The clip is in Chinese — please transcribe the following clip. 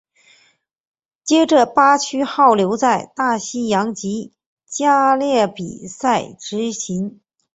接着巴区号留在大西洋及加勒比海执勤。